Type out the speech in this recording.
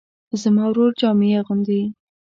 زما ورور جامې اغوندي